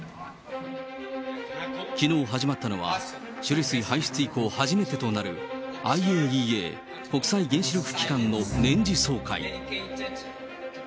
きのう始まったのは、処理水排出以降初めてとなるＩＡＥＡ・国際原子力機関の年次総会。